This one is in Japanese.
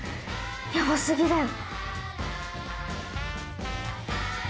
ヤバ過ぎだよ。